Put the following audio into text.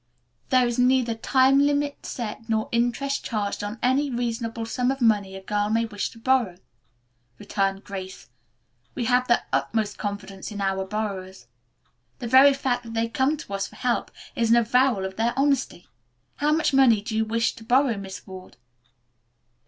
"There is neither time limit set nor interest charged on any reasonable sum of money a girl may wish to borrow," returned Grace. "We have the utmost confidence in our borrowers. The very fact that they come to us for help is an avowal of their honesty. How much money do you wish to borrow, Miss Ward?"